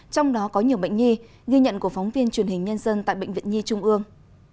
trong đó có nhiều bệnh nhi ghi nhận của phóng viên truyền hình nhân dân tại bệnh viện nhi trung ương